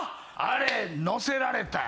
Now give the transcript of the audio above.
あれ乗せられた。